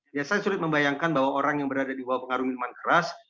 ya saya sulit membayangkan bahwa orang yang berada di bawah pengaruh minuman keras